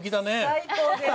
最高ですね。